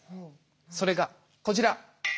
それがこちら。